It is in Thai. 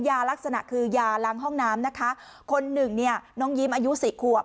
ยาลักษณะคือยาล้างห้องน้ำนะคะคนหนึ่งเนี่ยน้องยิ้มอายุสี่ขวบ